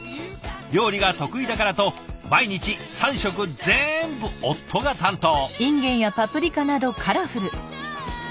料理が得意だからと毎日３食ぜんぶ夫が担当。